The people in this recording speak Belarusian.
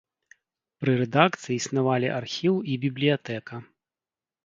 Пры рэдакцыі існавалі архіў і бібліятэка.